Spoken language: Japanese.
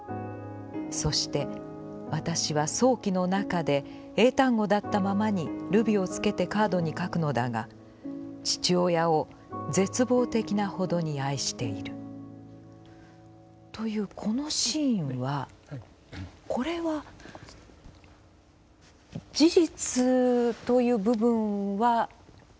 そして私は、想起のなかで英単語だったままにルビを付けてカードに書くのだが、父親を絶望的なほどに愛している」。というこのシーンはこれは事実という部分はあるんですか？